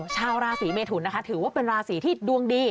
ชาวราศีเมทุนนะคะถือว่าเป็นราศีที่ดวงดี